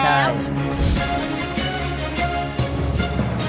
ใช่